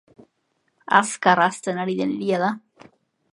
Azkar hazten ari den hiria da.